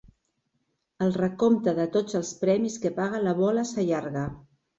El recompte de tots els premis que paga la bola s'allarga.